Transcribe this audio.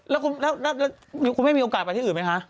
แล้วคุณแม่มีโอกาสไปที่อื่นไหมคะ